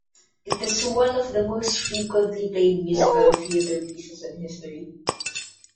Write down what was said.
It is one of the most frequently played musical theatre pieces in history.